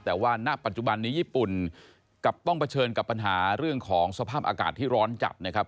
แต่ว่าณปัจจุบันนี้ญี่ปุ่นกลับต้องเผชิญกับปัญหาเรื่องของสภาพอากาศที่ร้อนจัดนะครับ